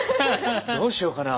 どうしようかな。